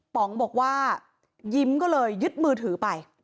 ป๋องบอกว่ายิ้มก็เลยยึดมือถือไป